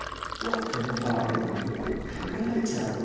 "What then, father?" "How can I tell?